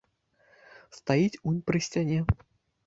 Стаіць, унь пры сцяне.